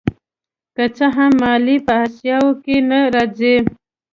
که څه هم ماليې په احصایو کې نه راځي